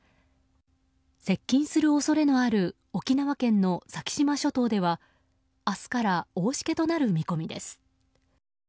接近する恐れのある沖縄県の先島諸島では明日から大しけとなる見込みです。